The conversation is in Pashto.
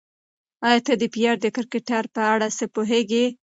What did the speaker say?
ایا ته د پییر د کرکټر په اړه څه پوهېږې؟